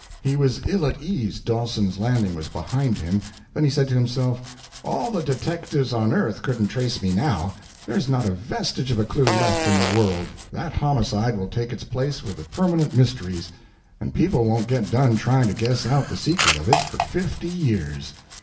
He was ill at ease until Dawson's Landing was behind him; then he said to himself, "All the detectives on earth couldn't trace me now; there's not a vestige of a clue left in the world; that homicide will take its place with the permanent mysteries, and people won't get done trying to guess out the secret of it for fifty years."